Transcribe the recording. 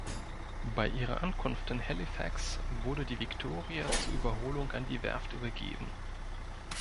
Bei ihrer Ankunft in Halifax wurde die „Victoria“ zur Überholung an die Werft übergeben.